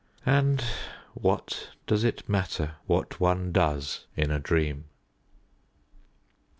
And what does it matter what one does in a dream?